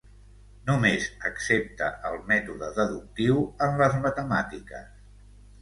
Només accepta el mètode deductiu en les matemàtiques.